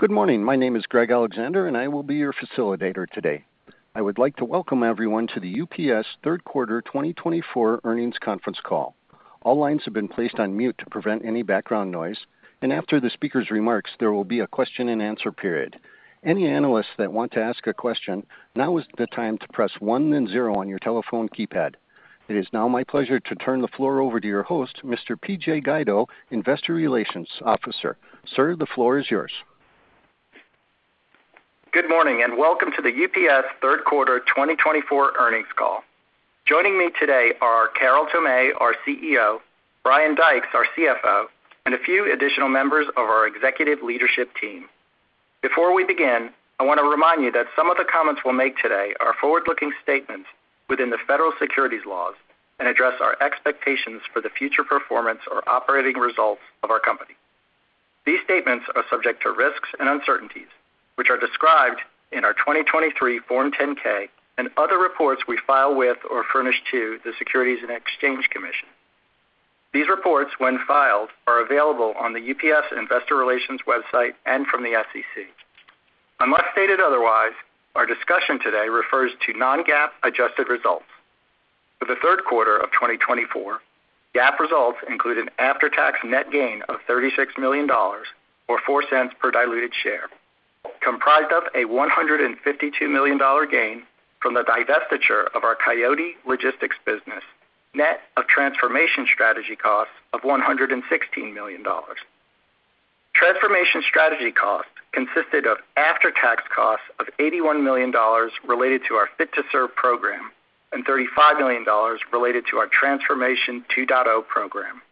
Good morning. My name is Greg Alexander, and I will be your facilitator today. I would like to welcome everyone to the UPS third quarter 2024 earnings conference call. All lines have been placed on mute to prevent any background noise, and after the speaker's remarks, there will be a question-and-answer period. Any analysts that want to ask a question, now is the time to press one, then zero on your telephone keypad. It is now my pleasure to turn the floor over to your host, Mr. PJ Guido, Investor Relations Officer. Sir, the floor is yours. Good morning, and welcome to the UPS third quarter 2024 earnings call. Joining me today are Carol Tomé, our CEO, Brian Dykes, our CFO, and a few additional members of our executive leadership team. Before we begin, I want to remind you that some of the comments we'll make today are forward-looking statements within the federal securities laws and address our expectations for the future performance or operating results of our company. These statements are subject to risks and uncertainties, which are described in our 2023 Form 10-K and other reports we file with or furnish to the Securities and Exchange Commission. These reports, when filed, are available on the UPS Investor Relations website and from the SEC. Unless stated otherwise, our discussion today refers to non-GAAP adjusted results. For the third quarter of 2024, GAAP results include an after-tax net gain of $36 million, or $0.04 per diluted share, comprised of a $152 million gain from the divestiture of our Coyote Logistics business, net of transformation strategy costs of $116 million. Transformation strategy costs consisted of after-tax costs of $81 million related to our Fit to Serve program and $35 million related to our Transformation 2.0 program.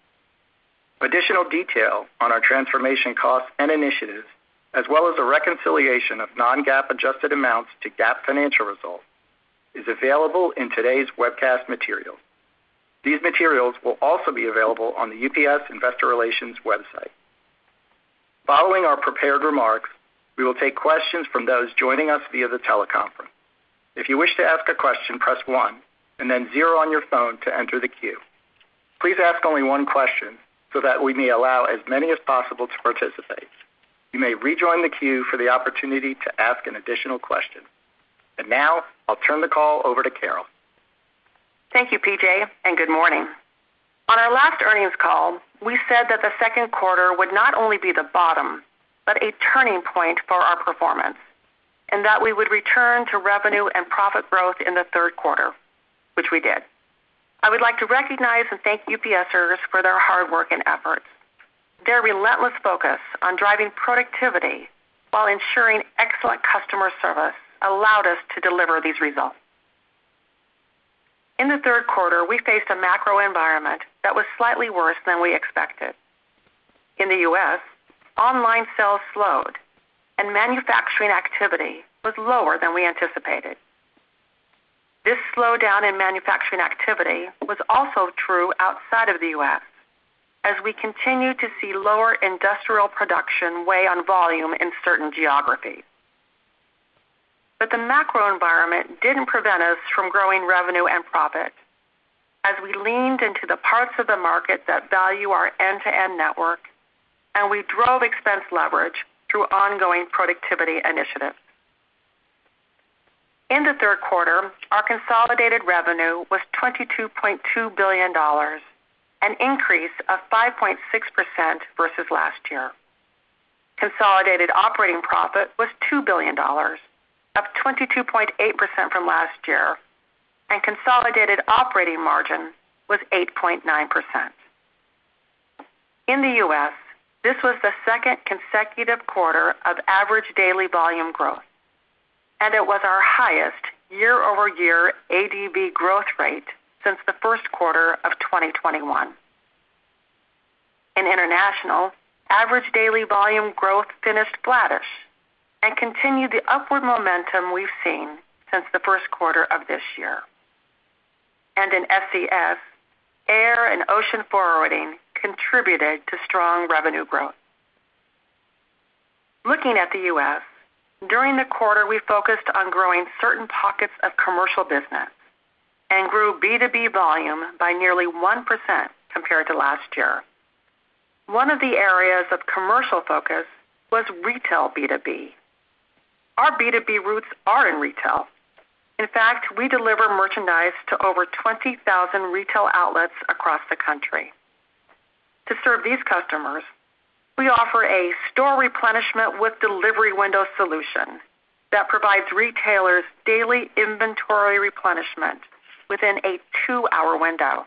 Additional detail on our transformation costs and initiatives, as well as a reconciliation of non-GAAP adjusted amounts to GAAP financial results, is available in today's webcast materials. These materials will also be available on the UPS Investor Relations website. Following our prepared remarks, we will take questions from those joining us via the teleconference. If you wish to ask a question, press one and then zero on your phone to enter the queue. Please ask only one question so that we may allow as many as possible to participate. You may rejoin the queue for the opportunity to ask an additional question. And now I'll turn the call over to Carol. Thank you, P.J., and good morning. On our last earnings call, we said that the second quarter would not only be the bottom, but a turning point for our performance, and that we would return to revenue and profit growth in the third quarter, which we did. I would like to recognize and thank UPSers for their hard work and efforts. Their relentless focus on driving productivity while ensuring excellent customer service allowed us to deliver these results. In the third quarter, we faced a macro environment that was slightly worse than we expected. In the U.S., online sales slowed and manufacturing activity was lower than we anticipated. This slowdown in manufacturing activity was also true outside of the U.S., as we continued to see lower industrial production weigh on volume in certain geographies. But the macro environment didn't prevent us from growing revenue and profit as we leaned into the parts of the market that value our end-to-end network, and we drove expense leverage through ongoing productivity initiatives. In the third quarter, our consolidated revenue was $22.2 billion, an increase of 5.6% versus last year. Consolidated operating profit was $2 billion, up 22.8% from last year, and consolidated operating margin was 8.9%. In the U.S., this was the second consecutive quarter of average daily volume growth, and it was our highest year-over-year ADV growth rate since the first quarter of 2021. In international, average daily volume growth finished flattish and continued the upward momentum we've seen since the first quarter of this year. And in SCS, air and ocean forwarding contributed to strong revenue growth. Looking at the U.S., during the quarter, we focused on growing certain pockets of commercial business and grew B2B volume by nearly 1% compared to last year. One of the areas of commercial focus was retail B2B. Our B2B roots are in retail. In fact, we deliver merchandise to over 20,000 retail outlets across the country. To serve these customers, we offer a store replenishment with delivery window solution that provides retailers daily inventory replenishment within a two-hour window.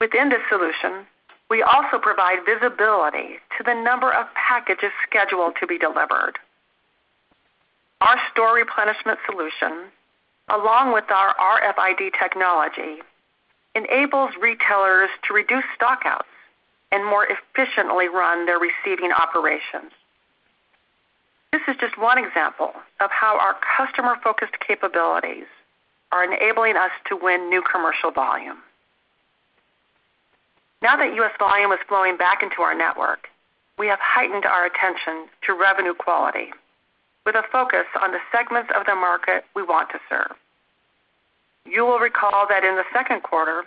Within this solution, we also provide visibility to the number of packages scheduled to be delivered. Our store replenishment solution, along with our RFID technology, enables retailers to reduce stockouts and more efficiently run their receiving operations. This is just one example of how our customer-focused capabilities are enabling us to win new commercial volume. Now that U.S. volume is flowing back into our network, we have heightened our attention to revenue quality with a focus on the segments of the market we want to serve... You will recall that in the second quarter,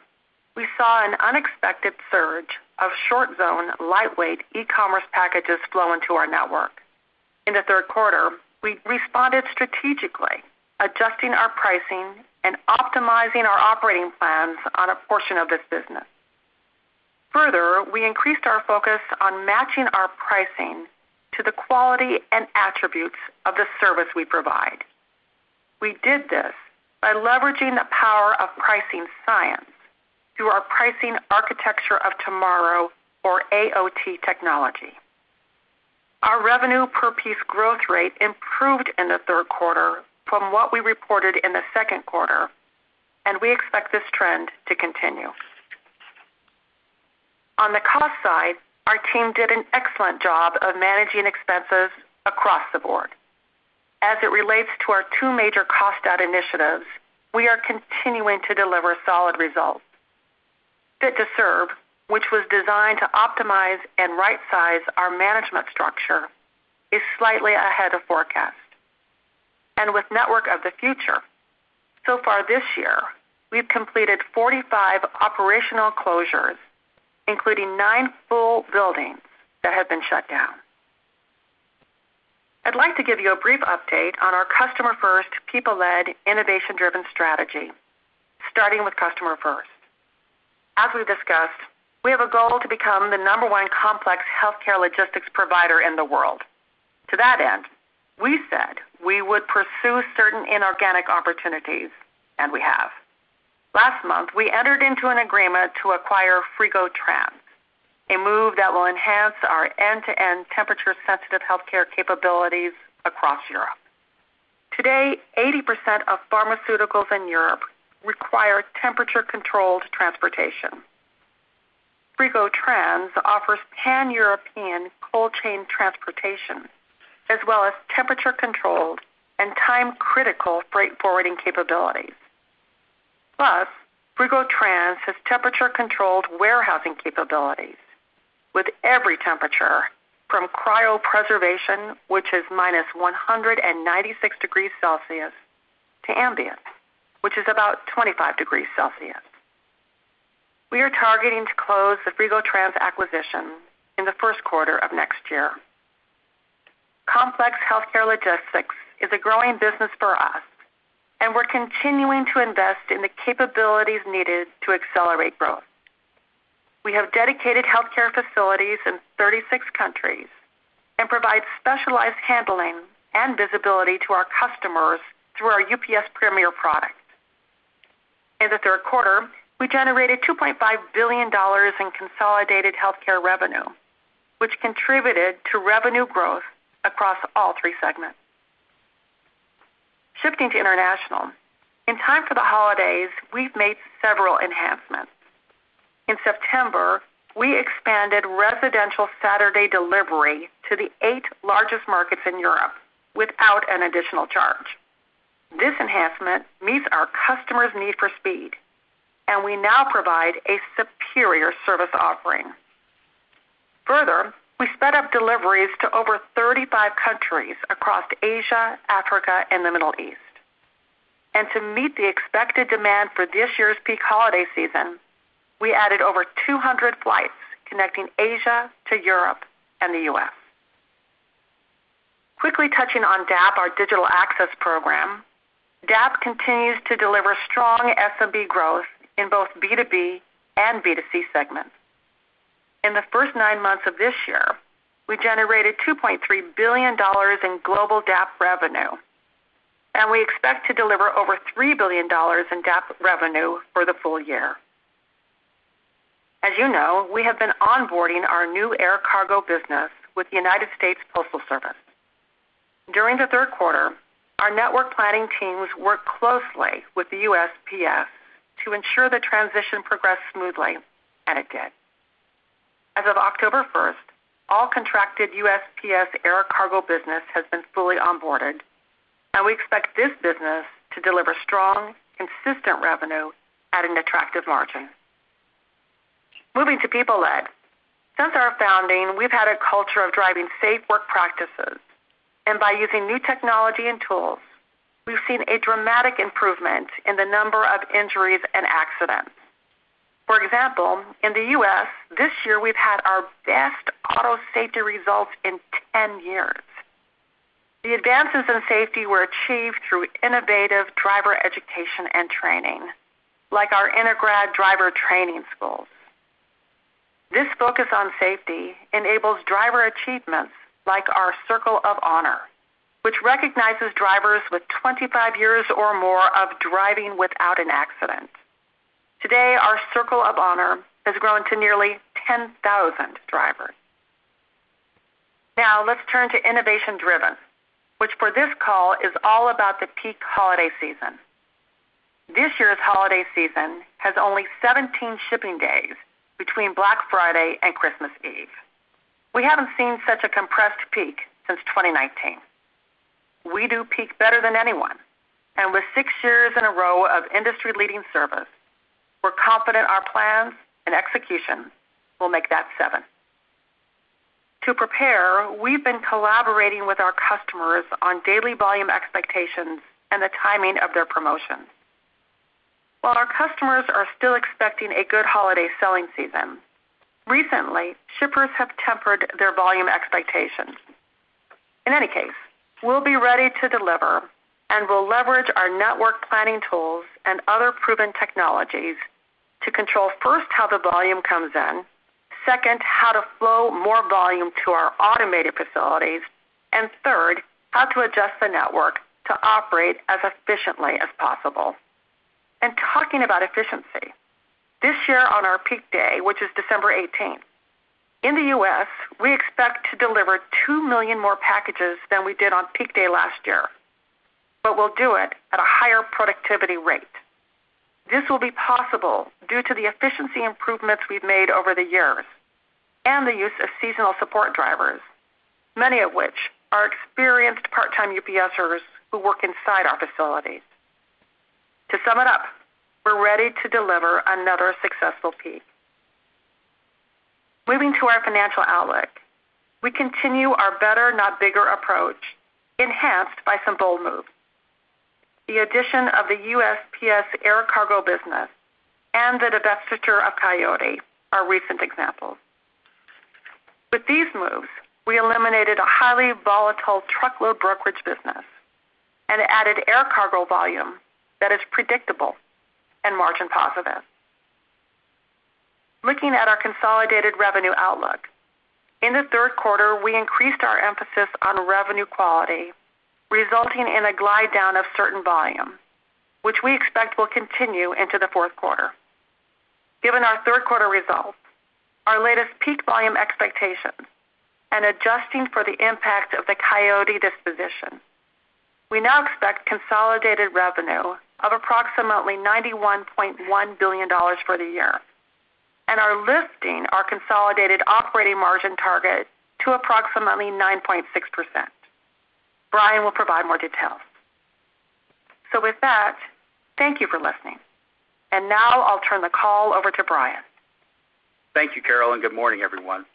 we saw an unexpected surge of short-zone, lightweight e-commerce packages flow into our network. In the third quarter, we responded strategically, adjusting our pricing and optimizing our operating plans on a portion of this business. Further, we increased our focus on matching our pricing to the quality and attributes of the service we provide. We did this by leveraging the power of pricing science through our Pricing Architecture of Tomorrow, or AOT technology. Our revenue per piece growth rate improved in the third quarter from what we reported in the second quarter, and we expect this trend to continue. On the cost side, our team did an excellent job of managing expenses across the board. As it relates to our two major cost out initiatives, we are continuing to deliver solid results. Fit to Serve, which was designed to optimize and right size our management structure, is slightly ahead of forecast, and with Network of the Future, so far this year, we've completed 45 operational closures, including nine full buildings that have been shut down. I'd like to give you a brief update on our Customer First, People-Led, Innovation-Driven strategy, starting with customer first. As we discussed, we have a goal to become the number one complex healthcare logistics provider in the world. To that end, we said we would pursue certain inorganic opportunities, and we have. Last month, we entered into an agreement to acquire Frigo-Trans, a move that will enhance our end-to-end temperature-sensitive healthcare capabilities across Europe. Today, 80% of pharmaceuticals in Europe require temperature-controlled transportation. Frigo-Trans offers pan-European cold chain transportation, as well as temperature-controlled and time-critical freight forwarding capabilities. Plus, Frigo-Trans has temperature-controlled warehousing capabilities with every temperature from cryopreservation, which is -196 degrees Celsius, to ambient, which is about 25 degrees Celsius. We are targeting to close the Frigo-Trans acquisition in the first quarter of next year. Complex healthcare logistics is a growing business for us, and we're continuing to invest in the capabilities needed to accelerate growth. We have dedicated healthcare facilities in 36 countries and provide specialized handling and visibility to our customers through our UPS Premier product. In the third quarter, we generated $2.5 billion in consolidated healthcare revenue, which contributed to revenue growth across all three segments. Shifting to international. In time for the holidays, we've made several enhancements. In September, we expanded residential Saturday delivery to the eight largest markets in Europe without an additional charge. This enhancement meets our customers' need for speed, and we now provide a superior service offering. Further, we sped up deliveries to over 35 countries across Asia, Africa, and the Middle East. And to meet the expected demand for this year's peak holiday season, we added over 200 flights connecting Asia to Europe and the U.S.. Quickly touching on DAP, our digital access program. DAP continues to deliver strong SMB growth in both B2B and B2C segments. In the first nine months of this year, we generated $2.3 billion in global DAP revenue, and we expect to deliver over $3 billion in DAP revenue for the full year. As you know, we have been onboarding our new air cargo business with the United States Postal Service. During the third quarter, our network planning teams worked closely with the USPS to ensure the transition progressed smoothly, and it did. As of October first, all contracted USPS air cargo business has been fully onboarded, and we expect this business to deliver strong, consistent revenue at an attractive margin. Moving to people-led. Since our founding, we've had a culture of driving safe work practices, and by using new technology and tools, we've seen a dramatic improvement in the number of injuries and accidents. For example, in the U.S., this year we've had our best auto safety results in 10 years. The advances in safety were achieved through innovative driver education and training, like our Integrad Driver Training Schools. This focus on safety enables driver achievements like our Circle of Honor, which recognizes drivers with 25 years or more of driving without an accident. Today, our Circle of Honor has grown to nearly 10,000 drivers. Now, let's turn to innovation driven, which for this call is all about the peak holiday season. This year's holiday season has only 17 shipping days between Black Friday and Christmas Eve. We haven't seen such a compressed peak since 2019. We do peak better than anyone, and with six years in a row of industry-leading service, we're confident our plans and execution will make that seven.... To prepare, we've been collaborating with our customers on daily volume expectations and the timing of their promotions. While our customers are still expecting a good holiday selling season, recently, shippers have tempered their volume expectations. In any case, we'll be ready to deliver and we'll leverage our network planning tools and other proven technologies to control, first, how the volume comes in, second, how to flow more volume to our automated facilities, and third, how to adjust the network to operate as efficiently as possible. And talking about efficiency, this year on our peak day, which is December eighteenth, in the U.S., we expect to deliver two million more packages than we did on peak day last year, but we'll do it at a higher productivity rate. This will be possible due to the efficiency improvements we've made over the years and the use of seasonal support drivers, many of which are experienced part-time UPSers who work inside our facilities. To sum it up, we're ready to deliver another successful peak. Moving to our financial outlook, we continue our better, not bigger approach, enhanced by some bold moves. The addition of the USPS air cargo business and the divestiture of Coyote are recent examples. With these moves, we eliminated a highly volatile truckload brokerage business and added air cargo volume that is predictable and margin positive. Looking at our consolidated revenue outlook, in the third quarter, we increased our emphasis on revenue quality, resulting in a glide down of certain volume, which we expect will continue into the fourth quarter. Given our third quarter results, our latest peak volume expectations, and adjusting for the impact of the Coyote disposition, we now expect consolidated revenue of approximately $91.1 billion for the year and are lifting our consolidated operating margin target to approximately 9.6%. Brian will provide more details. So with that, thank you for listening. Now I'll turn the call over to Brian. Thank you, Carol, and good morning, everyone.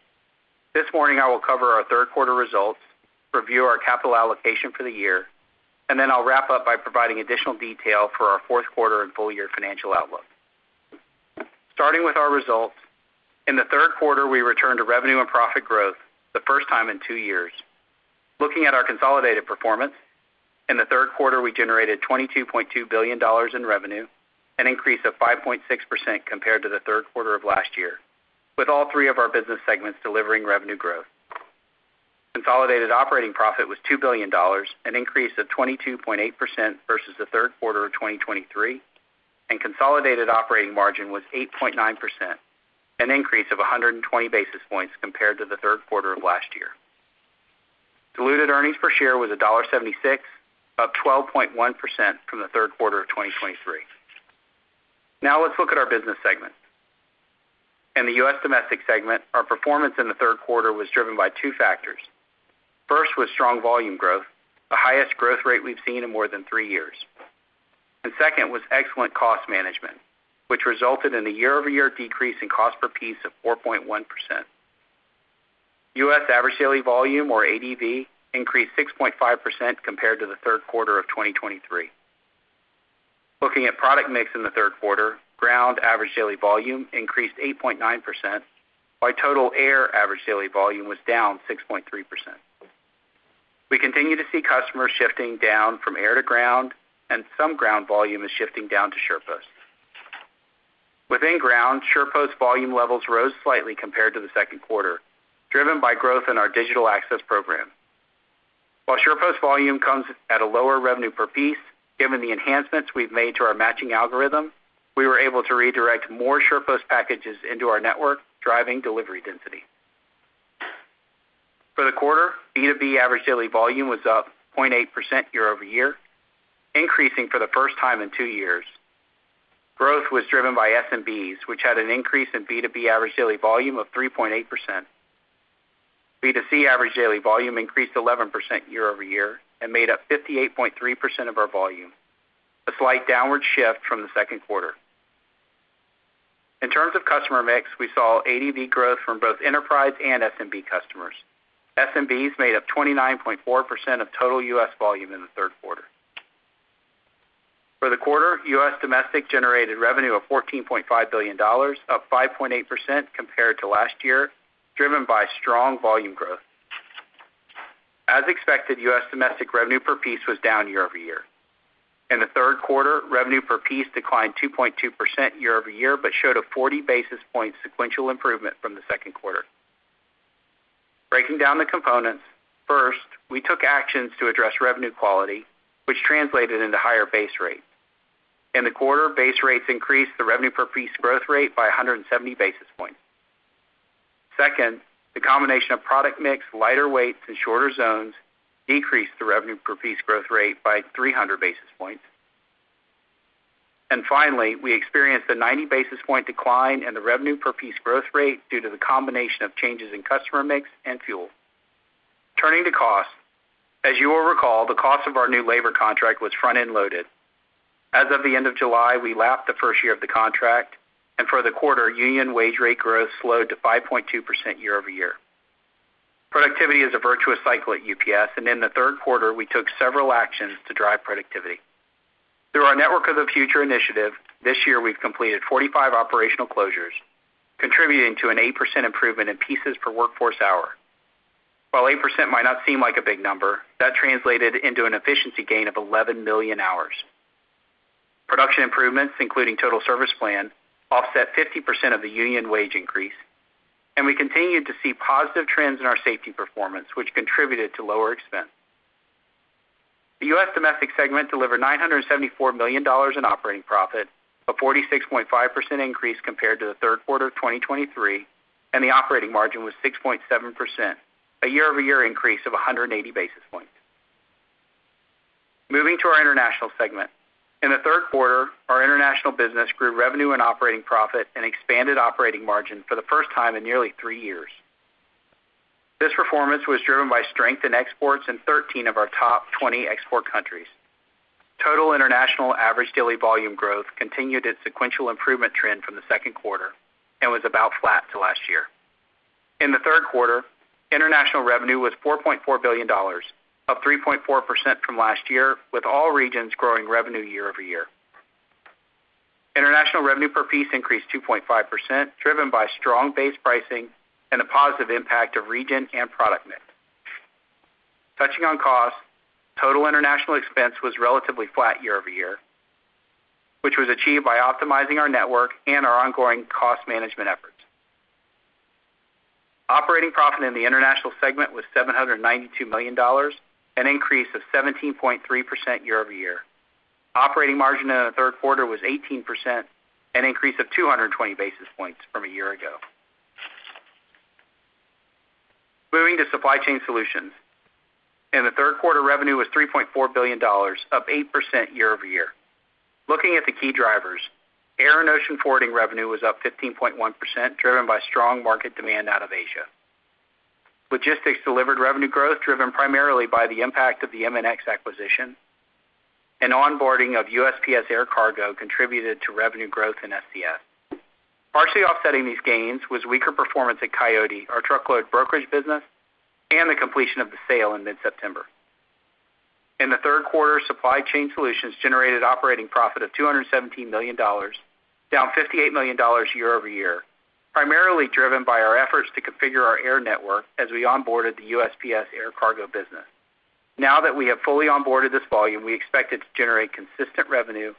This morning I will cover our third quarter results, review our capital allocation for the year, and then I'll wrap up by providing additional detail for our fourth quarter and full year financial outlook. Starting with our results, in the third quarter, we returned to revenue and profit growth, the first time in two years. Looking at our consolidated performance, in the third quarter, we generated $22.2 billion in revenue, an increase of 5.6% compared to the third quarter of last year, with all three of our business segments delivering revenue growth. Consolidated operating profit was $2 billion, an increase of 22.8% versus the third quarter of 2023, and consolidated operating margin was 8.9%, an increase of 120 basis points compared to the third quarter of last year. Diluted earnings per share was $1.76, up 12.1% from the third quarter of 2023. Now, let's look at our business segments. In the U.S. domestic segment, our performance in the third quarter was driven by two factors. First was strong volume growth, the highest growth rate we've seen in more than 3 years. And second was excellent cost management, which resulted in a year-over-year decrease in cost per piece of 4.1%. U.S. average daily volume, or ADV, increased 6.5% compared to the third quarter of 2023. Looking at product mix in the third quarter, ground average daily volume increased 8.9%, while total air average daily volume was down 6.3%. We continue to see customers shifting down from air to ground, and some ground volume is shifting down to SurePost. Within ground, SurePost volume levels rose slightly compared to the second quarter, driven by growth in our Digital Access Program. While SurePost volume comes at a lower revenue per piece, given the enhancements we've made to our matching algorithm, we were able to redirect more SurePost packages into our network, driving delivery density. For the quarter, B2B average daily volume was up 0.8% year-over-year, increasing for the first time in two years. Growth was driven by SMBs, which had an increase in B2B average daily volume of 3.8%. B2C average daily volume increased 11% year-over-year and made up 58.3% of our volume, a slight downward shift from the second quarter. In terms of customer mix, we saw ADV growth from both enterprise and SMB customers. SMBs made up 29.4% of total U.S. volume in the third quarter. For the quarter, U.S. domestic generated revenue of $14.5 billion, up 5.8% compared to last year, driven by strong volume growth. As expected, U.S. domestic revenue per piece was down year over year. In the third quarter, revenue per piece declined 2.2% year-over-year, but showed a 40 basis point sequential improvement from the second quarter. Breaking down the components, first, we took actions to address revenue quality, which translated into higher base rate. In the quarter, base rates increased the revenue per piece growth rate by 170 basis points. Second, the combination of product mix, lighter weights, and shorter zones decreased the revenue per piece growth rate by 300 basis points. And finally, we experienced a 90 basis point decline in the revenue per piece growth rate due to the combination of changes in customer mix and fuel. Turning to costs. As you will recall, the cost of our new labor contract was front-end loaded. As of the end of July, we lapped the first year of the contract, and for the quarter, union wage rate growth slowed to 5.2% year-over-year. Productivity is a virtuous cycle at UPS, and in the third quarter, we took several actions to drive productivity. Through our Network of the Future initiative, this year we've completed 45 operational closures, contributing to an 8% improvement in pieces per workforce hour. While 8% might not seem like a big number, that translated into an efficiency gain of 11 million hours. Production improvements, including Total Service Plan, offset 50% of the union wage increase, and we continued to see positive trends in our safety performance, which contributed to lower expense. The U.S. domestic segment delivered $974 million in operating profit, a 46.5% increase compared to the third quarter of 2023, and the operating margin was 6.7%, a year-over-year increase of 180 basis points. Moving to our international segment. In the third quarter, our international business grew revenue and operating profit and expanded operating margin for the first time in nearly three years. This performance was driven by strength in exports in thirteen of our top 20 export countries. Total international average daily volume growth continued its sequential improvement trend from the second quarter and was about flat to last year. In the third quarter, international revenue was $4.4 billion, up 3.4% from last year, with all regions growing revenue year over year. International revenue per piece increased 2.5%, driven by strong base pricing and a positive impact of region and product mix. Touching on costs, total international expense was relatively flat year over year, which was achieved by optimizing our network and our ongoing cost management efforts. Operating profit in the international segment was $792 million, an increase of 17.3% year-over-year. Operating margin in the third quarter was 18%, an increase of 220 basis points from a year ago. Moving to Supply Chain Solutions. In the third quarter, revenue was $3.4 billion, up 8% year-over-year. Looking at the key drivers, air and ocean forwarding revenue was up 15.1%, driven by strong market demand out of Asia. Logistics delivered revenue growth, driven primarily by the impact of the MNX acquisition, and onboarding of USPS Air Cargo contributed to revenue growth in SCS. Partially offsetting these gains was weaker performance at Coyote, our truckload brokerage business, and the completion of the sale in mid-September. In the third quarter, Supply Chain Solutions generated operating profit of $217 million, down $58 million year-over-year, primarily driven by our efforts to configure our air network as we onboarded the USPS Air Cargo business. Now that we have fully onboarded this volume, we expect it to generate consistent revenue,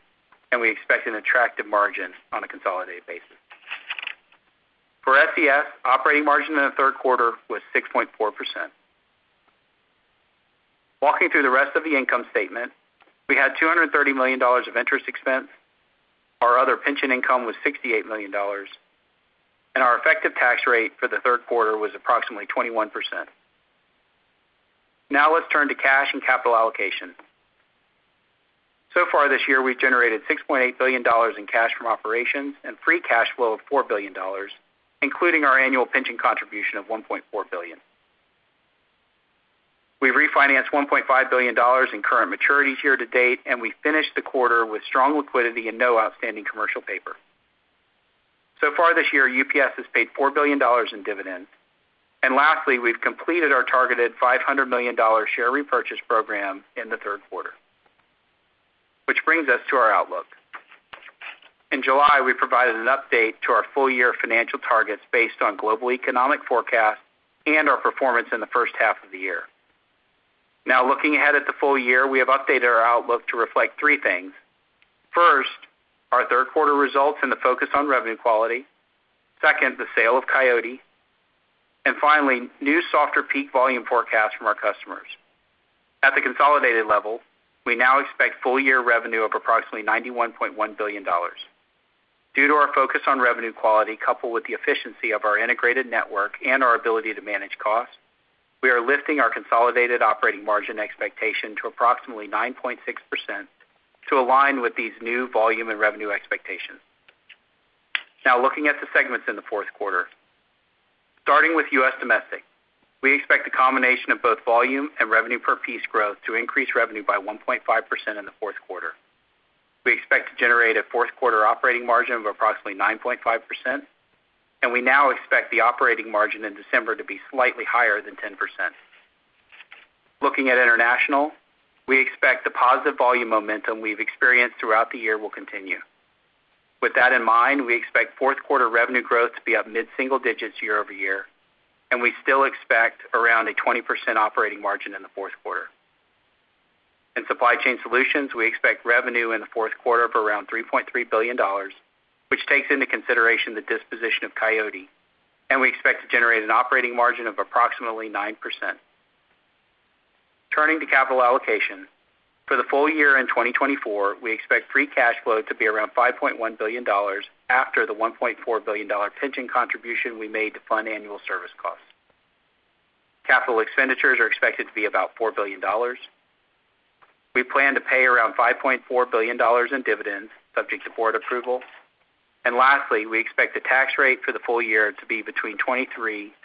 and we expect an attractive margin on a consolidated basis. For SCS, operating margin in the third quarter was 6.4%. Walking through the rest of the income statement, we had $230 million of interest expense. Our other pension income was $68 million, and our effective tax rate for the third quarter was approximately 21%. Now let's turn to cash and capital allocation. So far this year, we've generated $6.8 billion in cash from operations and free cash flow of $4 billion, including our annual pension contribution of $1.4 billion. We refinanced $1.5 billion in current maturities year to date, and we finished the quarter with strong liquidity and no outstanding commercial paper. So far this year, UPS has paid $4 billion in dividends. And lastly, we've completed our targeted $500 million share repurchase program in the third quarter. Which brings us to our outlook. In July, we provided an update to our full-year financial targets based on global economic forecast and our performance in the first half of the year. Now, looking ahead at the full year, we have updated our outlook to reflect three things. First, our third quarter results and the focus on revenue quality. Second, the sale of Coyote. And finally, new softer peak volume forecasts from our customers. At the consolidated level, we now expect full-year revenue of approximately $91.1 billion. Due to our focus on revenue quality, coupled with the efficiency of our integrated network and our ability to manage costs, we are lifting our consolidated operating margin expectation to approximately 9.6% to align with these new volume and revenue expectations. Now, looking at the segments in the fourth quarter. Starting with U.S. domestic, we expect a combination of both volume and revenue per piece growth to increase revenue by 1.5% in the fourth quarter. We expect to generate a fourth quarter operating margin of approximately 9.5%, and we now expect the operating margin in December to be slightly higher than 10%. Looking at international, we expect the positive volume momentum we've experienced throughout the year will continue. With that in mind, we expect fourth quarter revenue growth to be up mid-single digits year over year, and we still expect around a 20% operating margin in the fourth quarter. In Supply Chain Solutions, we expect revenue in the fourth quarter of around $3.3 billion, which takes into consideration the disposition of Coyote, and we expect to generate an operating margin of approximately 9%. Turning to capital allocation. For the full year in 2024, we expect free cash flow to be around $5.1 billion after the $1.4 billion pension contribution we made to fund annual service costs. Capital expenditures are expected to be about $4 billion. We plan to pay around $5.4 billion in dividends, subject to board approval. Lastly, we expect the tax rate for the full year to be between 23%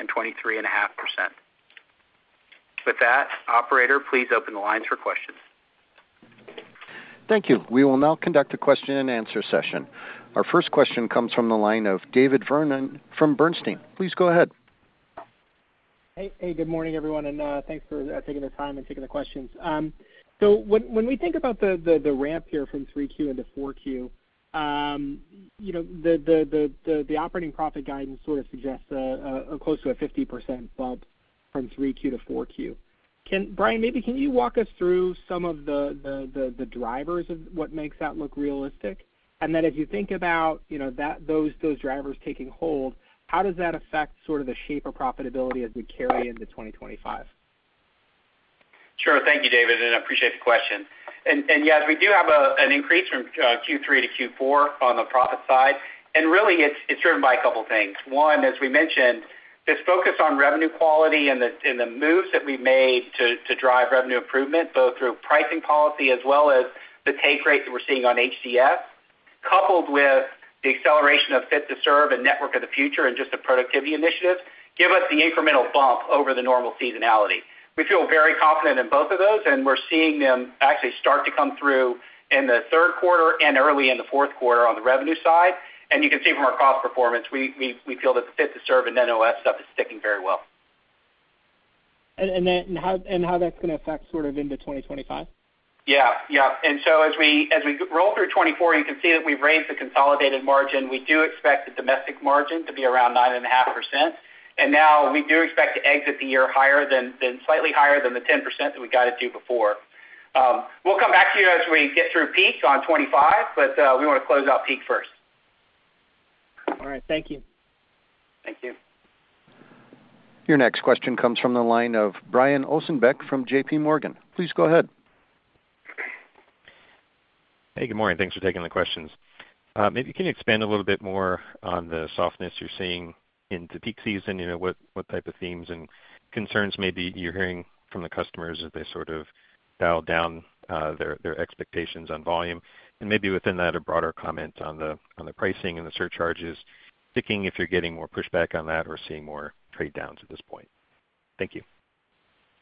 and 23.5%. With that, operator, please open the lines for questions. Thank you. We will now conduct a question-and-answer session. Our first question comes from the line of David Vernon from Bernstein. Please go ahead. Hey, good morning, everyone, and thanks for taking the time and taking the questions. So when we think about the ramp here from three Q into four Q, you know, the operating profit guidance sort of suggests a close to a 50% bump from three Q to four Q. Can Brian maybe walk us through some of the drivers of what makes that look realistic? And then as you think about, you know, those drivers taking hold, how does that affect sort of the shape of profitability as we carry into 2025? Sure. Thank you, David, and I appreciate the question. And yes, we do have an increase from Q3 to Q4 on the profit side, and really, it's driven by a couple things. One, as we mentioned, this focus on revenue quality and the moves that we made to drive revenue improvement, both through pricing policy as well as the take rate that we're seeing on HDF, coupled with the acceleration of Fit to Serve and Network of the Future and just the productivity initiatives, give us the incremental bump over the normal seasonality. We feel very confident in both of those, and we're seeing them actually start to come through in the third quarter and early in the fourth quarter on the revenue side. You can see from our cost performance, we feel that the Fit to Serve and NOF stuff is sticking very well. Then, how that's gonna affect sort of into 2025? Yeah, yeah. And so as we roll through 2024, you can see that we've raised the consolidated margin. We do expect the domestic margin to be around 9.5%, and now we do expect to exit the year slightly higher than the 10% that we guided to before. We'll come back to you as we get through peak on 2025, but we wanna close out peak first. All right. Thank you. Thank you. Your next question comes from the line of Brian Ossenbeck from JPMorgan. Please go ahead. Hey, good morning. Thanks for taking the questions. Maybe can you expand a little bit more on the softness you're seeing in the peak season? You know, what type of themes and concerns maybe you're hearing from the customers as they sort of dial down their expectations on volume? And maybe within that, a broader comment on the pricing and the surcharges, thinking if you're getting more pushback on that or seeing more trade downs at this point. Thank you.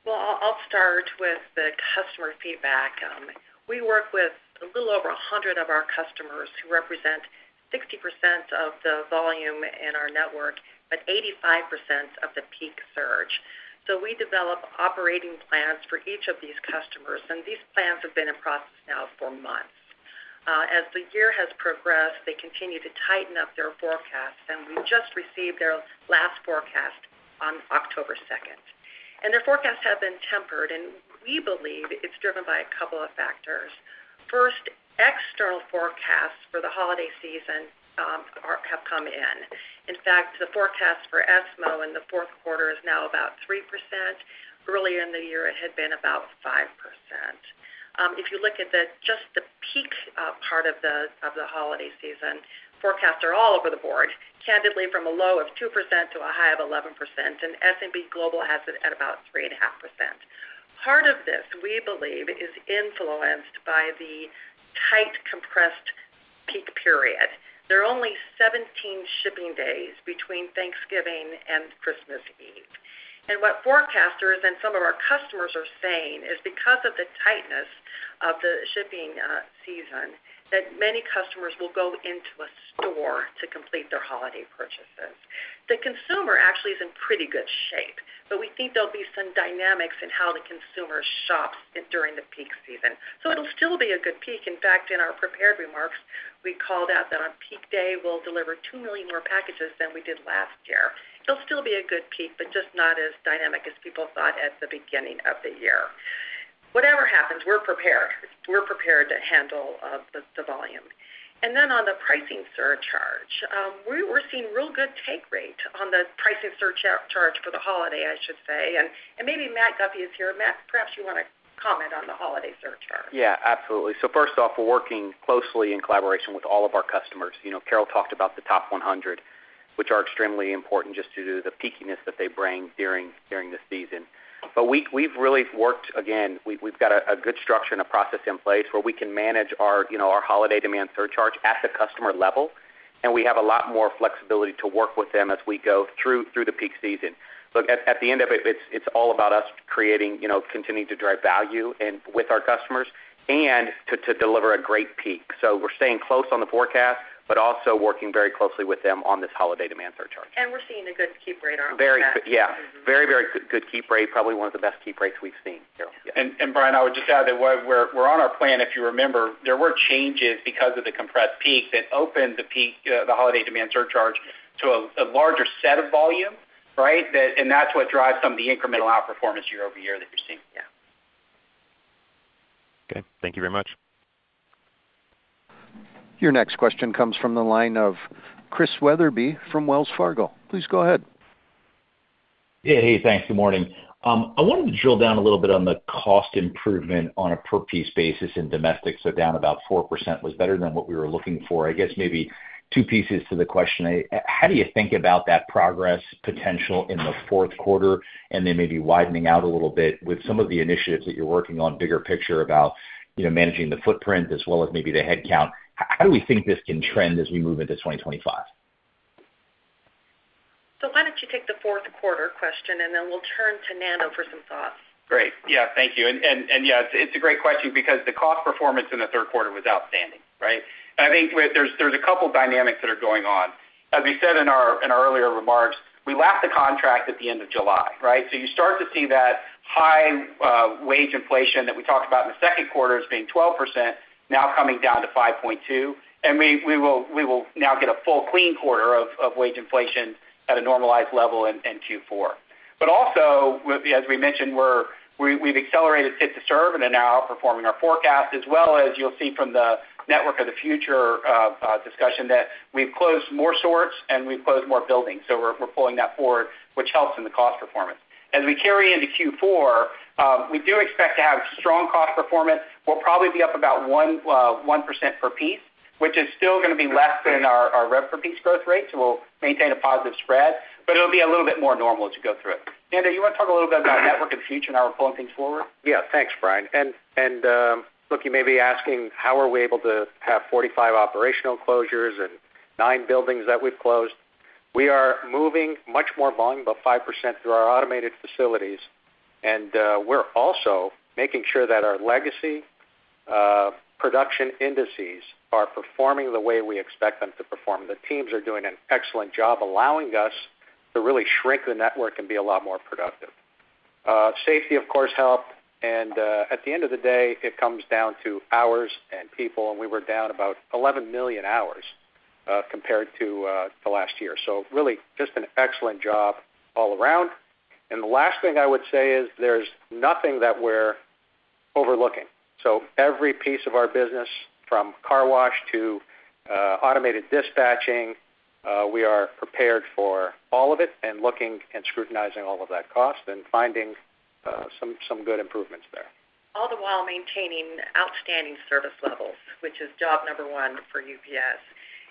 I'll start with the customer feedback. We work with a little over a hundred of our customers who represent 60% of the volume in our network, but 85% of the peak surge. We develop operating plans for each of these customers, and these plans have been in process now for months. As the year has progressed, they continue to tighten up their forecasts, and we just received their last forecast on October second. Their forecasts have been tempered, and we believe it's driven by a couple of factors. First, external forecasts for the holiday season have come in. In fact, the forecast for e-commerce in the fourth quarter is now about 3%. Earlier in the year, it had been about 5%. If you look at just the peak part of the holiday season, forecasts are all over the board, candidly, from a low of 2% to a high of 11%, and S&P Global has it at about 3.5%. Part of this, we believe, is influenced by the tight, compressed peak period. There are only 17 shipping days between Thanksgiving and Christmas Eve, and what forecasters and some of our customers are saying is because of the tightness of the shipping season, that many customers will go into a store to complete their holiday purchases. The consumer actually is in pretty good shape, but we think there'll be some dynamics in how the consumer shops during the peak season, so it'll still be a good peak. In fact, in our prepared remarks, we called out that on peak day, we'll deliver two million more packages than we did last year. It'll still be a good peak, but just not as dynamic as people thought at the beginning of the year. Whatever happens, we're prepared. We're prepared to handle the volume. And then on the pricing surcharge, we're seeing real good take rate on the pricing surcharge for the holiday, I should say. And maybe Matt Guffey is here. Matt, perhaps you wanna comment on the holiday surcharge? Yeah, absolutely. So first off, we're working closely in collaboration with all of our customers. You know, Carol talked about the top one hundred, which are extremely important just due to the peakiness that they bring during the season. But we've really worked. Again, we've got a good structure and a process in place where we can manage our, you know, our holiday demand surcharge at the customer level, and we have a lot more flexibility to work with them as we go through the peak season. So at the end of it, it's all about us creating, you know, continuing to drive value and with our customers and to deliver a great peak. So we're staying close on the forecast, but also working very closely with them on this holiday demand surcharge. We're seeing a good keep rate on our surcharge. Very good, yeah. Very, very good, good keep rate, probably one of the best keep rates we've seen, Carol, yeah. Brian, I would just add that we're on our plan. If you remember, there were changes because of the compressed peak that opened the peak, the holiday demand surcharge to a larger set of volume, right? That, and that's what drives some of the incremental outperformance year over year that you're seeing. Yeah. Okay. Thank you very much. Your next question comes from the line of Chris Wetherbee from Wells Fargo. Please go ahead. Yeah. Hey, thanks. Good morning. I wanted to drill down a little bit on the cost improvement on a per piece basis in domestic. So down about 4% was better than what we were looking for. I guess maybe two pieces to the question. How do you think about that progress potential in the fourth quarter? And then maybe widening out a little bit, with some of the initiatives that you're working on, bigger picture about, you know, managing the footprint as well as maybe the headcount, how do we think this can trend as we move into 2025? So why don't you take the fourth quarter question, and then we'll turn to Nando for some thoughts. Great. Yeah, thank you. And yeah, it's a great question because the cost performance in the third quarter was outstanding, right? And I think there's a couple dynamics that are going on. As we said in our earlier remarks, we lapped the contract at the end of July, right? So you start to see that high wage inflation that we talked about in the second quarter as being 12%, now coming down to 5.2%. And we will now get a full clean quarter of wage inflation at a normalized level in Q4. But also, as we mentioned, we've accelerated Fit to Serve and are now outperforming our forecast, as well as you'll see from the Network of the Future discussion, that we've closed more sorts and we've closed more buildings. So we're pulling that forward, which helps in the cost performance. As we carry into Q4, we do expect to have strong cost performance. We'll probably be up about 1% per piece, which is still gonna be less than our rev per piece growth rate. So we'll maintain a positive spread, but it'll be a little bit more normal as you go through it. Nando, you wanna talk a little bit about Network of the Future and how we're pulling things forward? Yeah, thanks, Brian. And look, you may be asking, how are we able to have forty-five operational closures and nine buildings that we've closed? We are moving much more volume, about 5%, through our automated facilities. And we're also making sure that our legacy production indices are performing the way we expect them to perform. The teams are doing an excellent job, allowing us to really shrink the network and be a lot more productive. Safety, of course, helped, and at the end of the day, it comes down to hours and people, and we were down about eleven million hours compared to the last year. So really, just an excellent job all around. And the last thing I would say is there's nothing that we're overlooking. So every piece of our business, from car wash to automated dispatching, we are prepared for all of it and looking and scrutinizing all of that cost and finding some good improvements there. All the while maintaining outstanding service levels, which is job number one for UPS,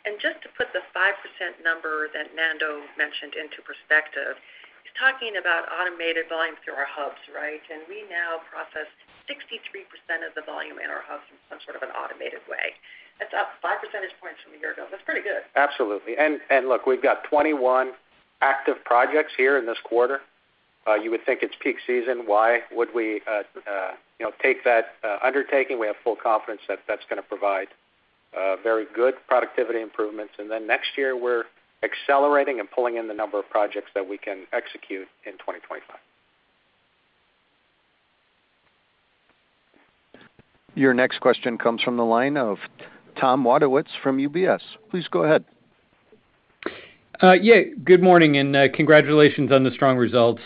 and just to put the 5% number that Nando mentioned into perspective, he's talking about automated volume through our hubs, right, and we now process 63% of the volume in our hubs in some sort of an automated way. That's up five percentage points from a year ago. That's pretty good. Absolutely. And, look, we've got 21 active projects here in this quarter. You would think it's peak season, why would we, you know, take that undertaking? We have full confidence that that's gonna provide very good productivity improvements. And then next year, we're accelerating and pulling in the number of projects that we can execute in 2025. Your next question comes from the line of Tom Wadewitz from UBS. Please go ahead. Yeah, good morning, and congratulations on the strong results.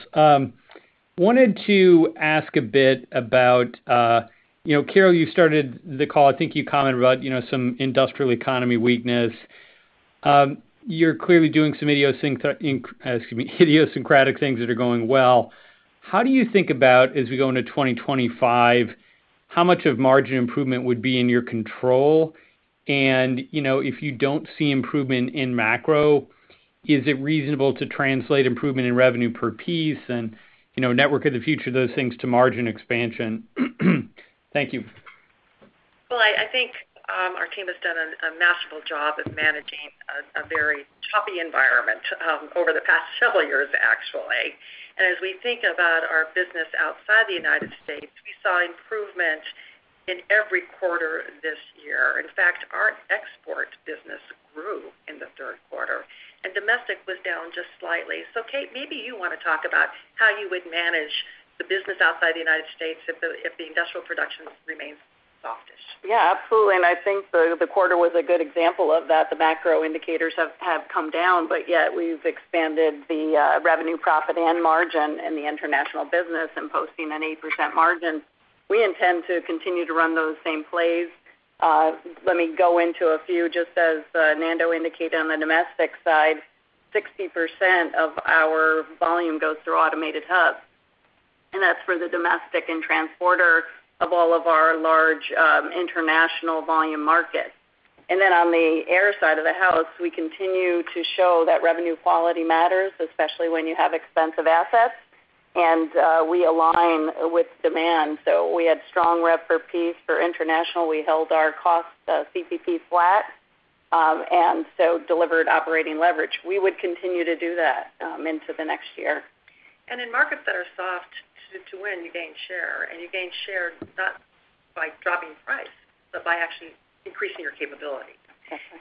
Wanted to ask a bit about, you know, Carol, you started the call, I think you commented about, you know, some industrial economy weakness. You're clearly doing some idiosyncratic things that are going well. How do you think about, as we go into 2025, how much of margin improvement would be in your control? And, you know, if you don't see improvement in macro, is it reasonable to translate improvement in revenue per piece and, you know, Network of the Future, those things, to margin expansion? Thank you. I think our team has done a masterful job of managing a very choppy environment over the past several years, actually. As we think about our business outside the United States, we saw improvement in every quarter this year. In fact, our export business grew in the third quarter, and domestic was down just slightly. Kate, maybe you want to talk about how you would manage the business outside the United States if the industrial production remains softish. Yeah, absolutely. And I think the quarter was a good example of that. The macro indicators have come down, but yet we've expanded the revenue, profit, and margin in the international business and posting an 8% margin. We intend to continue to run those same plays. Let me go into a few. Just as Nando indicated on the domestic side, 60% of our volume goes through automated hubs, and that's for the domestic and transport of all of our large international volume markets. And then on the air side of the house, we continue to show that revenue quality matters, especially when you have expensive assets, and we align with demand. So we had strong rev per piece for international. We held our cost CPP flat, and so delivered operating leverage. We would continue to do that, into the next year. And in markets that are soft, to win, you gain share, and you gain share not by dropping price, but by actually increasing your capability.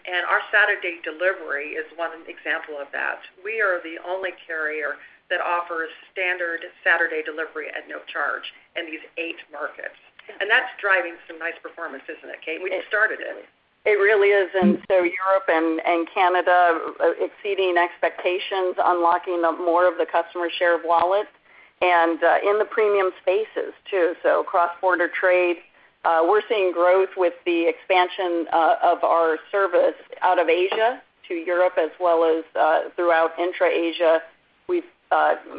And our Saturday delivery is one example of that. We are the only carrier that offers standard Saturday delivery at no charge in these eight markets. And that's driving some nice performance, isn't it, Kate? We started it. It really is. And so Europe and Canada are exceeding expectations, unlocking more of the customer's share of wallet.... and in the premium spaces too. So cross-border trade, we're seeing growth with the expansion of our service out of Asia to Europe as well as throughout intra-Asia. We've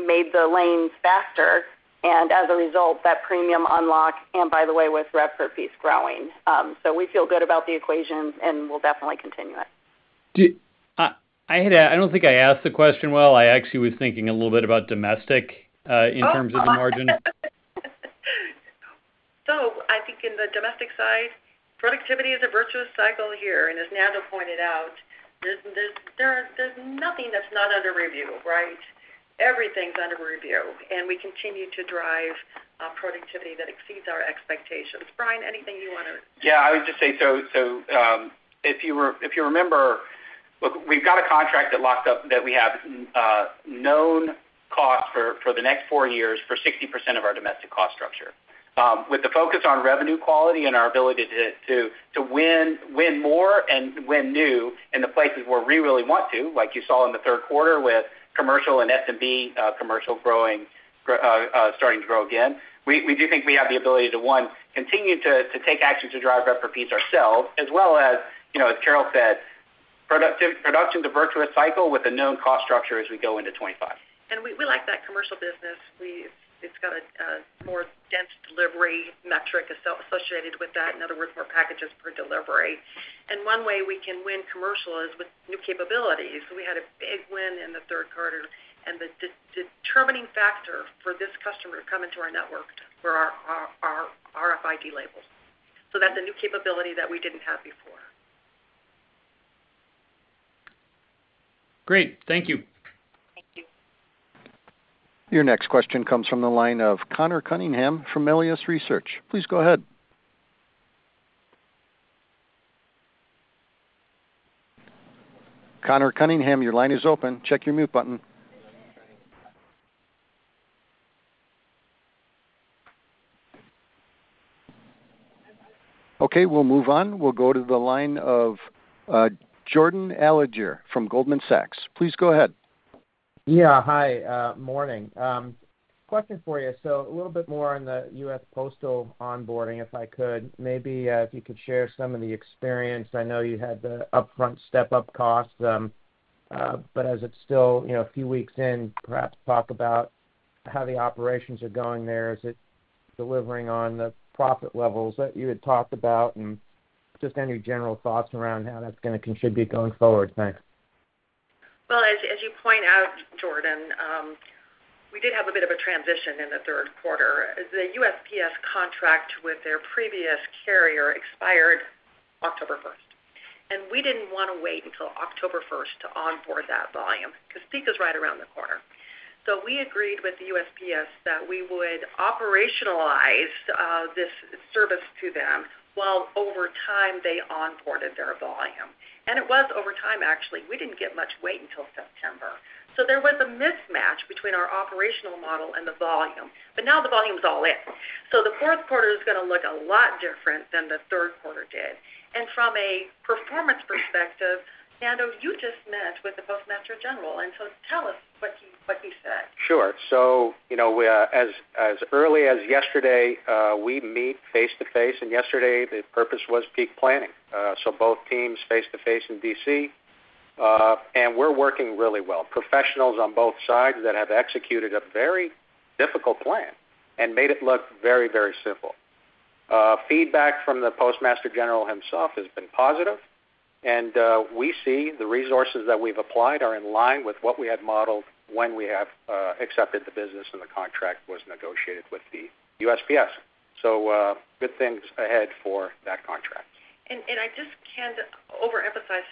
made the lanes faster, and as a result, that premium unlock, and by the way, with rev per piece growing. So we feel good about the equations, and we'll definitely continue it. I don't think I asked the question well. I actually was thinking a little bit about domestic in terms of the margin. So I think in the domestic side, productivity is a virtuous cycle here, and as Nando pointed out, there's nothing that's not under review, right? Everything's under review, and we continue to drive productivity that exceeds our expectations. Brian, anything you wanna- Yeah, I would just say, if you remember, look, we've got a contract that locks up that we have known costs for for the next four years for 60% of our domestic cost structure. With the focus on revenue quality and our ability to win more and win new in the places where we really want to, like you saw in the third quarter with commercial and SMB, commercial growing starting to grow again. We do think we have the ability to, one, continue to take actions to drive rev per piece ourselves, as well as, you know, as Carol said, production's a virtuous cycle with a known cost structure as we go into 2025. We like that commercial business. It's got a more dense delivery metric associated with that, in other words, more packages per delivery. And one way we can win commercial is with new capabilities. We had a big win in the third quarter, and the determining factor for this customer to come into our network were our RFID labels. So that's a new capability that we didn't have before. Great. Thank you. Your next question comes from the line of Conor Cunningham from Melius Research. Please go ahead. Conor Cunningham, your line is open. Check your mute button. Okay, we'll move on. We'll go to the line of Jordan Alliger from Goldman Sachs. Please go ahead. Yeah, hi, morning. Question for you. So a little bit more on the U.S. Postal onboarding, if I could. Maybe, if you could share some of the experience. I know you had the upfront step-up costs, but as it's still, you know, a few weeks in, perhaps talk about how the operations are going there. Is it delivering on the profit levels that you had talked about? And just any general thoughts around how that's gonna contribute going forward. Thanks. As you point out, Jordan, we did have a bit of a transition in the third quarter. The USPS contract with their previous carrier expired October first, and we didn't want to wait until October 1 to onboard that volume, because peak is right around the corner. So we agreed with the USPS that we would operationalize this service to them while over time they onboarded their volume. And it was over time, actually. We didn't get much weight until September. So there was a mismatch between our operational model and the volume, but now the volume is all in. So the fourth quarter is gonna look a lot different than the third quarter did. And from a performance perspective, Nando, you just met with the Postmaster General, and so tell us what he said. Sure. So, you know, we, as early as yesterday, we meet face-to-face, and yesterday, the purpose was peak planning. So both teams face-to-face in DC, and we're working really well. Professionals on both sides that have executed a very difficult plan and made it look very, very simple. Feedback from the Postmaster General himself has been positive, and we see the resources that we've applied are in line with what we had modeled when we have accepted the business and the contract was negotiated with the USPS. So, good things ahead for that contract. I just can't overemphasize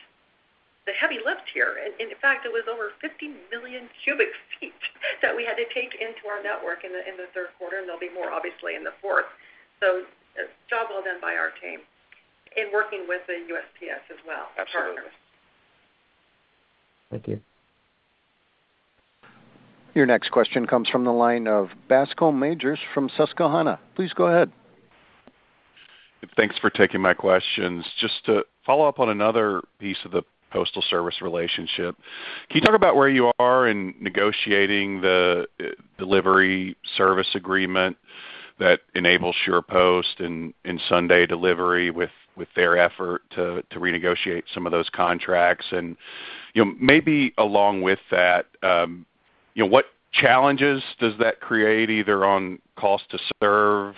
the heavy lift here. In fact, it was over 50 million cubic feet that we had to take into our network in the third quarter, and there'll be more, obviously, in the fourth. A job well done by our team in working with the USPS as well, partners. Absolutely. Thank you. Your next question comes from the line of Bascome Majors from Susquehanna. Please go ahead. Thanks for taking my questions. Just to follow up on another piece of the Postal Service relationship, can you talk about where you are in negotiating the delivery service agreement that enables SurePost and Sunday delivery with their effort to renegotiate some of those contracts? And, you know, maybe along with that, you know, what challenges does that create, either on cost to serve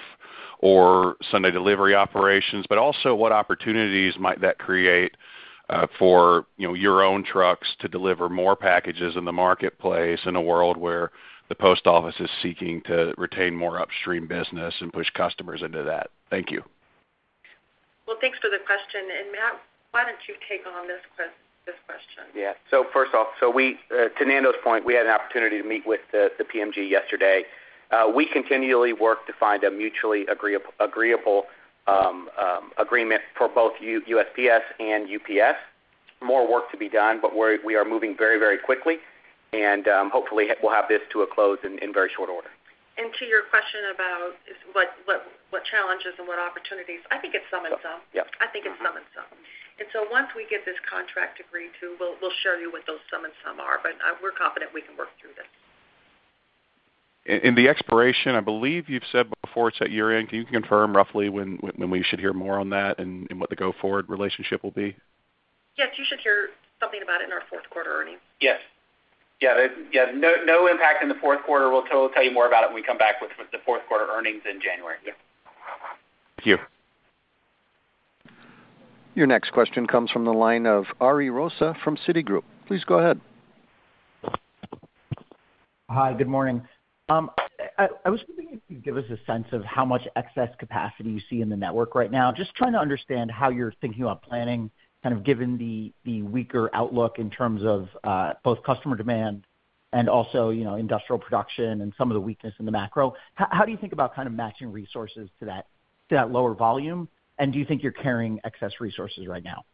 or Sunday delivery operations, but also what opportunities might that create, for, you know, your own trucks to deliver more packages in the marketplace, in a world where the post office is seeking to retain more upstream business and push customers into that? Thank you. Thanks for the question, and Matt, why don't you take on this question? Yeah. So first off, to Nando's point, we had an opportunity to meet with the PMG yesterday. We continually work to find a mutually agreeable agreement for both USPS and UPS. More work to be done, but we're moving very, very quickly, and hopefully, we'll have this to a close in very short order. To your question about what challenges and what opportunities, I think it's some and some. I think it's some and some. And so once we get this contract agreed to, we'll show you what those some and some are, but we're confident we can work through this. The expiration, I believe you've said before, it's at year-end. Can you confirm roughly when we should hear more on that and what the go forward relationship will be? Yes, you should hear something about it in our fourth quarter earnings. Yes. Yeah, no impact in the fourth quarter. We'll tell you more about it when we come back with the fourth quarter earnings in January. Thank you. Your next question comes from the line of Ari Rosa from Citigroup. Please go ahead. Hi, good morning. I was wondering if you could give us a sense of how much excess capacity you see in the network right now. Just trying to understand how you're thinking about planning, kind of given the weaker outlook in terms of both customer demand and also, you know, industrial production and some of the weakness in the macro. How do you think about kind of matching resources to that lower volume? And do you think you're carrying excess resources right now?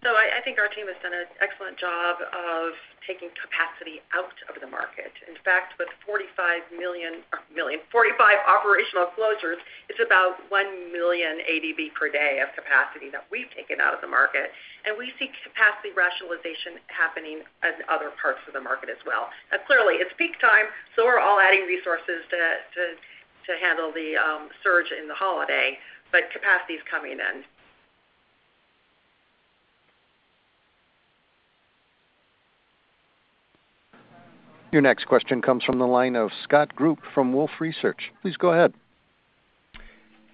I think our team has done an excellent job of taking capacity out of the market. In fact, with 45 million operational closures, it's about 1 million ADV per day of capacity that we've taken out of the market, and we see capacity rationalization happening in other parts of the market as well. Now, clearly, it's peak time, so we're all adding resources to handle the surge in the holiday, but capacity is coming in. Your next question comes from the line of Scott Group from Wolfe Research. Please go ahead.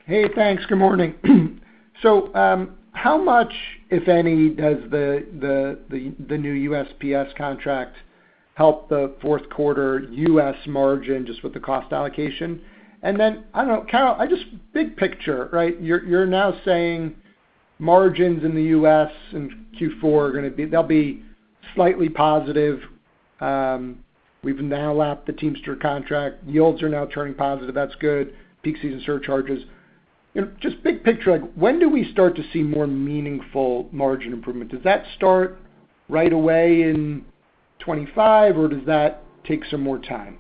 Hey, thanks. Good morning. So, how much, if any, does the new USPS contract help the fourth quarter US margin, just with the cost allocation? And then, I don't know, Carol, I just big picture, right? You're now saying margins in the US in Q4 are gonna be they'll be slightly positive. We've now lapped the Teamster contract. Yields are now turning positive. That's good. Peak season surcharges. You know, just big picture, like, when do we start to see more meaningful margin improvement? Does that start right away in 2025, or does that take some more time?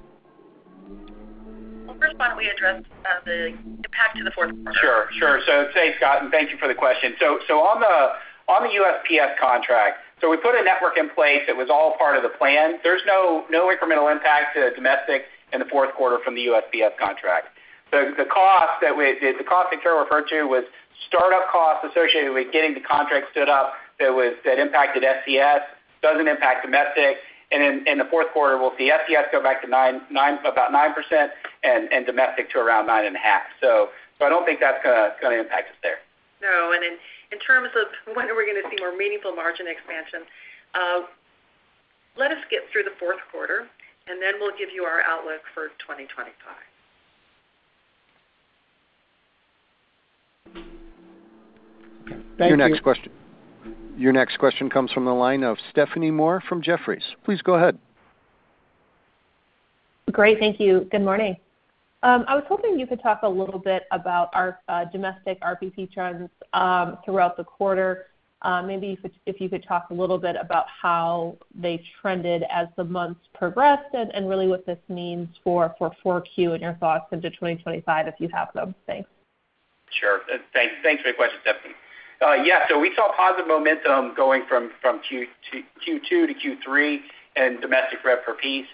First, why don't we address the impact to the fourth quarter? Sure. So thanks, Scott, and thank you for the question. So on the USPS contract, we put a network in place that was all part of the plan. There's no incremental impact to domestic in the fourth quarter from the USPS contract. So the cost that Carol referred to was startup costs associated with getting the contract stood up. That impacted SCS, doesn't impact domestic. And in the fourth quarter, we'll see SCS go back to about 9% and domestic to around 9.5%. So I don't think that's gonna impact us there. No, and in terms of when are we gonna see more meaningful margin expansion, let us get through the fourth quarter, and then we'll give you our outlook for 2025. Okay. Thank you. Your next question, your next question comes from the line of Stephanie Moore from Jefferies. Please go ahead. Great. Thank you. Good morning. I was hoping you could talk a little bit about our domestic RPP trends throughout the quarter. Maybe if you could talk a little bit about how they trended as the months progressed and really what this means for 4Q and your thoughts into 2025, if you have them. Thanks. Sure. Thanks. Thanks for your question, Stephanie. Yeah, so we saw positive momentum going from Q2 to Q3 in domestic rev per piece.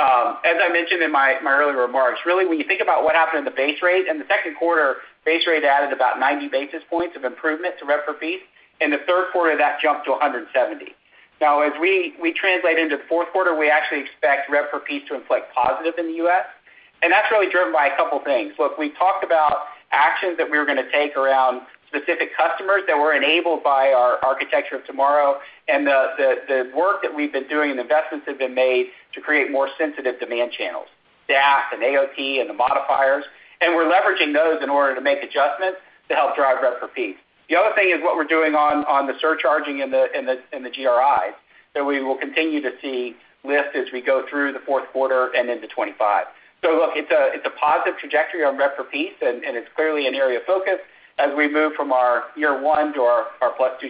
As I mentioned in my earlier remarks, really, when you think about what happened in the base rate, in the second quarter, base rate added about 90 basis points of improvement to rev per piece. In the third quarter, that jumped to 170. Now, as we translate into the fourth quarter, we actually expect rev per piece to reflect positive in the U.S., and that's really driven by a couple things. Look, we talked about actions that we were gonna take around specific customers that were enabled by our Architecture of Tomorrow and the work that we've been doing and investments have been made to create more sensitive demand channels, DAP and AOT and the modifiers, and we're leveraging those in order to make adjustments to help drive rev per piece. The other thing is what we're doing on the surcharging and the GRI, that we will continue to see lift as we go through the fourth quarter and into 2025. So look, it's a positive trajectory on rev per piece, and it's clearly an area of focus as we move from our year one to our plus two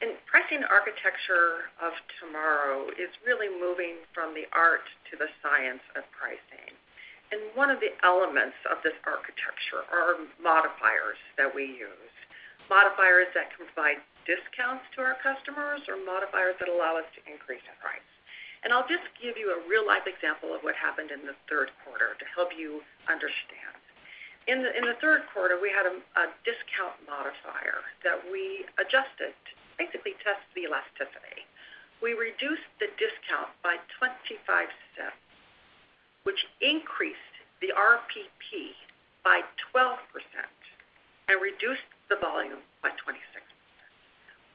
strategy. Pricing Architecture of Tomorrow is really moving from the art to the science of pricing. One of the elements of this architecture are modifiers that we use, modifiers that can provide discounts to our customers or modifiers that allow us to increase our price. I'll just give you a real-life example of what happened in the third quarter to help you understand. In the third quarter, we had a discount modifier that we adjusted to basically test the elasticity. We reduced the discount by $0.25, which increased the RPP by 12% and reduced the volume by 26%.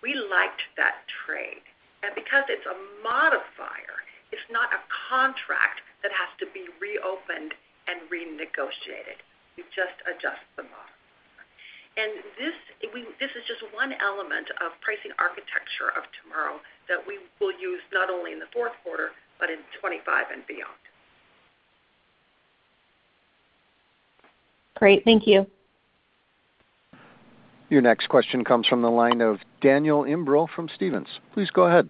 We liked that trade, and because it's a modifier, it's not a contract that has to be reopened and renegotiated. You just adjust the modifier. This is just one element of Pricing Architecture of Tomorrow that we will use not only in the fourth quarter, but in 2025 and beyond. Great. Thank you. Your next question comes from the line of Daniel Imbrogno from Stephens. Please go ahead.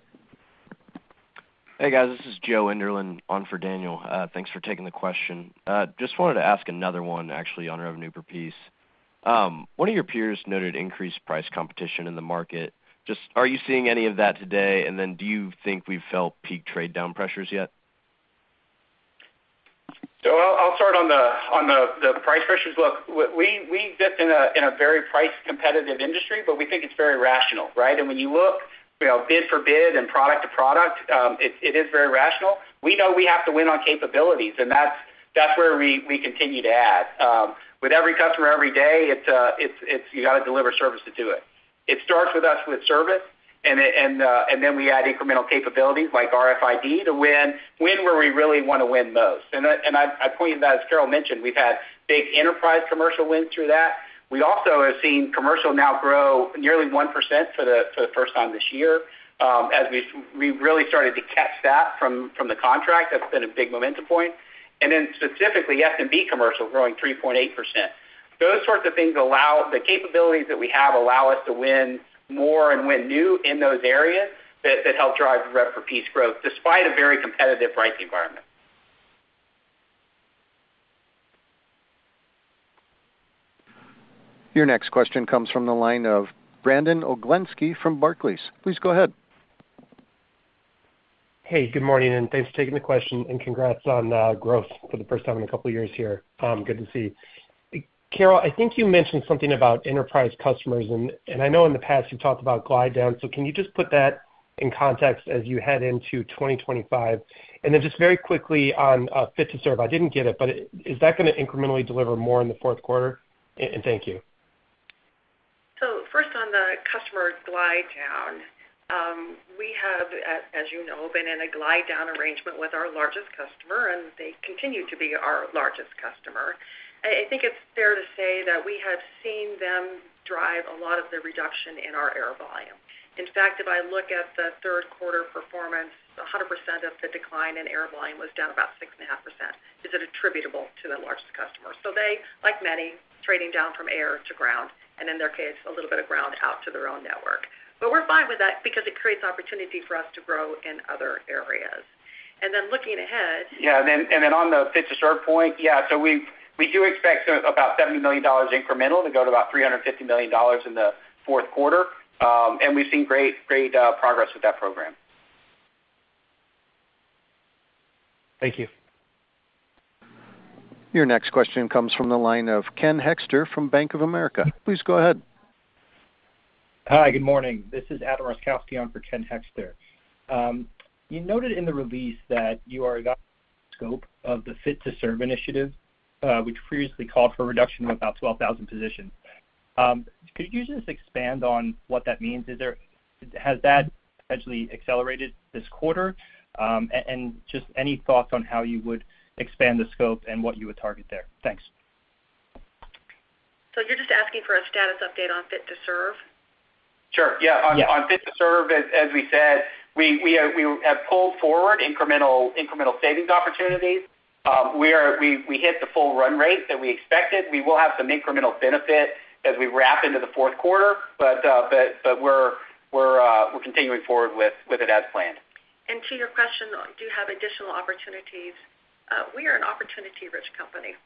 Hey, guys, this is Joe Enderlin on for Daniel. Thanks for taking the question. Just wanted to ask another one actually on revenue per piece. One of your peers noted increased price competition in the market. Just, are you seeing any of that today? And then do you think we've felt peak trade down pressures yet? So I'll start on the price pressures. Look, we exist in a very price competitive industry, but we think it's very rational, right? And when you look, you know, bid for bid and product to product, it is very rational. We know we have to win on capabilities, and that's where we continue to add. With every customer, every day, it's you gotta deliver service to do it. It starts with us with service, and then we add incremental capabilities like RFID to win where we really wanna win most. And I pointed out, as Carol mentioned, we've had big enterprise commercial wins through that. We also have seen commercial now grow nearly 1% for the first time this year, as we've really started to catch that from the contract. That's been a big momentum point, and then specifically, SMB commercial growing 3.8%. Those sorts of things allow. The capabilities that we have allow us to win more and win new in those areas that help drive rev per piece growth, despite a very competitive price environment. Your next question comes from the line of Brandon Oglenski from Barclays. Please go ahead. Hey, good morning, and thanks for taking the question, and congrats on growth for the first time in a couple years here. Good to see. Carol, I think you mentioned something about enterprise customers, and I know in the past, you've talked about glide down, so can you just put that in context as you head into 2025? And then just very quickly on Fit to Serve, I didn't get it, but is that gonna incrementally deliver more in the fourth quarter? And thank you. So first, on the customer glide down, we have, as you know, been in a glide down arrangement with our largest customer, and they continue to be our largest customer. I think it's fair to say that we have seen them drive a lot of the reduction in our air volume. In fact, if I look at the third quarter performance, 100% of the decline in air volume was down about 6.5%. Is it attributable to the largest customer? So they, like many, trading down from air to ground, and in their case, a little bit of ground out to their own network. But we're fine with that because it creates opportunity for us to grow in other areas. And then looking ahead- Yeah, and then on the Fit to Serve point, yeah, so we do expect about $70 million incremental to go to about $350 million in the fourth quarter. And we've seen great, great progress with that program. Thank you. Your next question comes from the line of Ken Hoexter from Bank of America. Please go ahead. Hi, good morning. This is Adam Roszkowski on for Ken Hoexter. You noted in the release that you're expanding the scope of the Fit to Serve initiative, which previously called for a reduction of about 12,000 positions. Could you just expand on what that means? Has that potentially accelerated this quarter? And just any thoughts on how you would expand the scope and what you would target there? Thanks. So you're just asking for a status update on Fit to Serve? Sure, yeah. On Fit to Serve, as we said, we have pulled forward incremental savings opportunities. We hit the full run rate that we expected. We will have some incremental benefit as we wrap into the fourth quarter, but we're continuing forward with it as planned. To your question, do you have additional opportunities? We are an opportunity-rich company,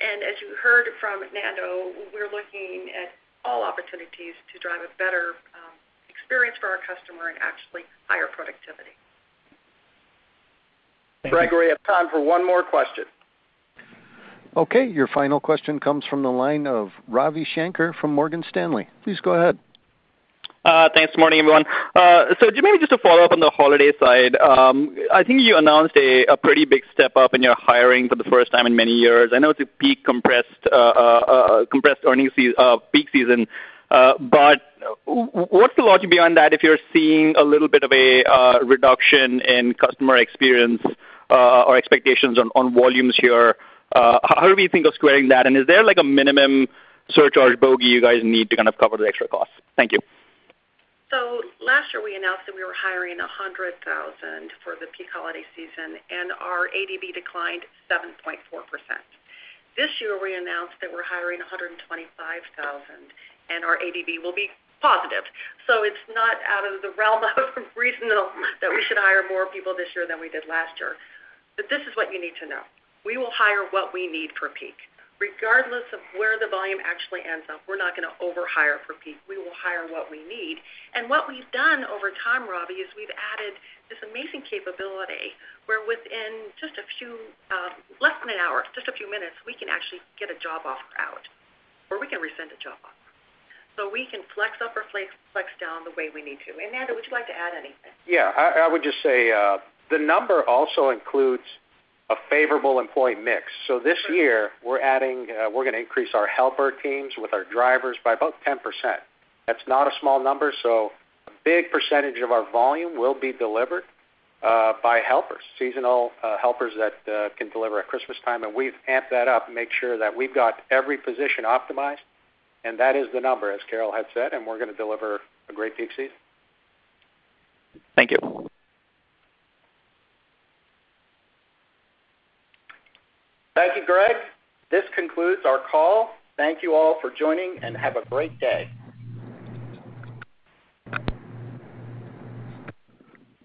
and as you heard from Nando, we're looking at all opportunities to drive a better experience for our customer and actually higher productivity. Greg, I have time for one more question. Okay, your final question comes from the line of Ravi Shanker from Morgan Stanley. Please go ahead. Thanks, morning, everyone. So maybe just to follow up on the holiday side. I think you announced a pretty big step up in your hiring for the first time in many years. I know it's a peak compressed earnings season, peak season, but what's the logic behind that if you're seeing a little bit of a reduction in customer experience or expectations on volumes here? How do you think of squaring that, and is there like a minimum surcharge bogey you guys need to kind of cover the extra costs? Thank you. So last year, we announced that we were hiring a 100,000 for the peak holiday season, and our ADB declined 7.4%. This year, we announced that we're hiring a 125,000, and our ADB will be positive. So it's not out of the realm of reasonable that we should hire more people this year than we did last year. But this is what you need to know: We will hire what we need for peak. Regardless of where the volume actually ends up, we're not gonna over hire for peak. We will hire what we need. And what we've done over time, Ravi, is we've added this amazing capability, where within just a few, less than an hour, just a few minutes, we can actually get a job offer out, or we can rescind a job offer. So we can flex up or flex down the way we need to. And, Nando, would you like to add anything? Yeah, I would just say, the number also includes a favorable employee mix. So this year, we're adding, we're gonna increase our helper teams with our drivers by about 10%. That's not a small number, so a big percentage of our volume will be delivered by helpers, seasonal helpers that can deliver at Christmas time, and we've amped that up to make sure that we've got every position optimized, and that is the number, as Carol had said, and we're gonna deliver a great peak season. Thank you. Thank you, Greg. This concludes our call. Thank you all for joining, and have a great day.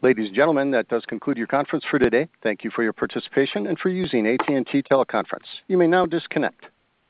Ladies and gentlemen, that does conclude your conference for today. Thank you for your participation and for using AT&T Teleconference. You may now disconnect.